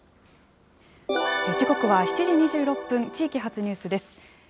時刻は７時２６分、地域発ニュースです。